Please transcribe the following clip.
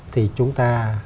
thì chúng ta